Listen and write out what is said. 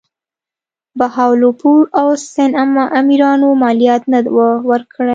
بهاولپور او سند امیرانو مالیات نه وه ورکړي.